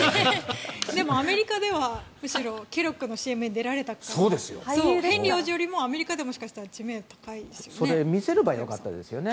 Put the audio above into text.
でも、アメリカではむしろケロッグのＣＭに出られたということでヘンリー王子よりもアメリカではもしかしたら知名度高いかもしれないですね。